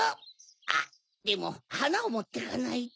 あっでもはなをもってかないと。